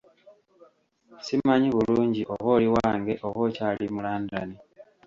Simanyi bulungi oba oli wange oba okyali mu London.